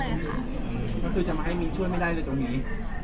ก็คือจะมาให้มีช่วยไม่ได้เลยตรงนี้